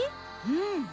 うん。